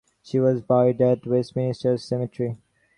She was buried at Westminster Cemetery.